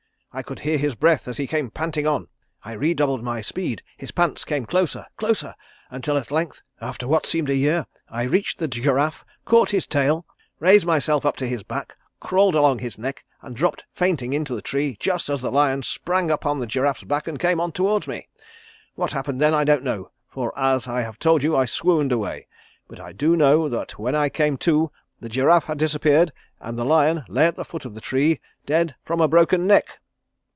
I could hear his breath as he came panting on. I redoubled my speed; his pants came closer, closer, until at length after what seemed a year, I reached the giraffe, caught his tail, raised myself up to his back, crawled along his neck and dropped fainting into the tree just as the lion sprang upon the giraffe's back and came on toward me. What happened then I don't know, for as I have told you I swooned away; but I do know that when I came to, the giraffe had disappeared and the lion lay at the foot of the tree dead from a broken neck."